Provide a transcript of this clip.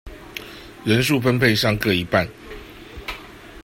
人數分配上各一半